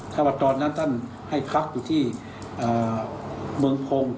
ถ้าว่าตอนนั้นท่านให้พักอยู่ที่เมืองพงศ์